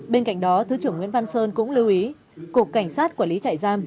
bên cạnh đó thứ trưởng nguyễn văn sơn cũng lưu ý cục cảnh sát quản lý trại giam